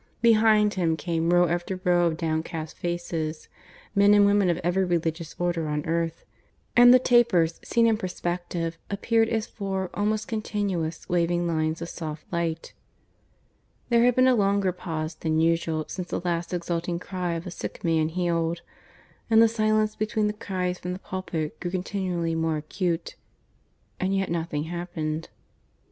Behind him came row after row of downcast faces, men and women of every Religious Order on earth, and the tapers seen in perspective appeared as four almost continuous waving lines of soft light. There had been a longer pause than usual since the last exulting cry of a sick man healed; and the silence between the cries from the pulpit grew continually more acute. And yet nothing happened.